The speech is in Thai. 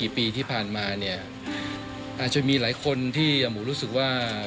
ปีที่ผ่านมาเนี่ยอาจจะมีหลายคนที่หมูรู้สึกว่า